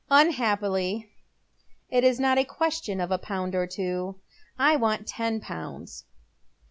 " Unhappily, it is not a ques tion of a pound or two. I want ten poimds."